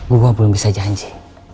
gue belum bisa janji